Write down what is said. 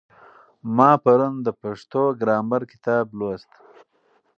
ما پرون د پښتو ګرامر کتاب لوست.